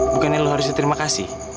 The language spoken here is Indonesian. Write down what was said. bukannya lo harusnya terima kasih